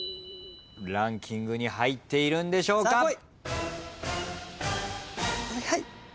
ランキングに入っているんでしょうか。